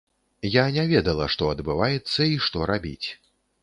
Я не ведала, што адбываецца і што рабіць.